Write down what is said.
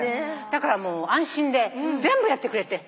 だからもう安心で全部やってくれて。